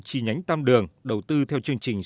chi nhánh tam đường đầu tư theo chương trình